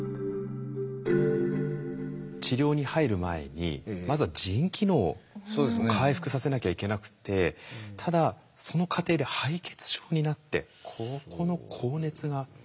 治療に入る前にまずは腎機能を回復させなきゃいけなくってただその過程で敗血症になってここの高熱が随分続いたんですね。